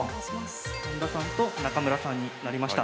本田さんと中村さんになりました。